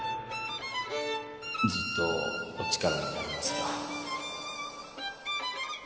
ずっとお力になりますよ